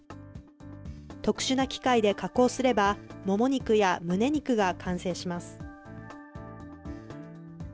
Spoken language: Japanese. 特殊な機械で加工すれば、もも肉やむね肉が完成します。